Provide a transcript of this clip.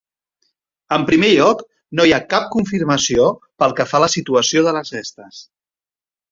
En primer lloc, no hi ha cap confirmació pel que fa a la situació de les restes.